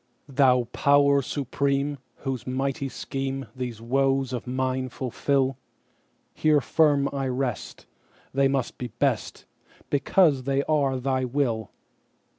Thou Power Supreme, whose mighty schemeThese woes of mine fulfil, Here firm I rest; they must be best, Because they are Thy will!